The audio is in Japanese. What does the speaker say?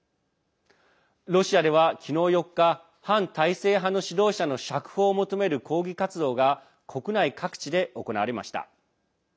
ロシアでは昨日４日反体制派の指導者の釈放を求める抗議活動が国内各地で行われました。